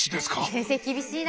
先生厳しいな。